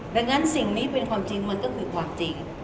ดังนั้นสิ่งนี้เป็นความจริงมันก็คือความจริง